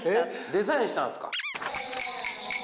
デザインしたんですか？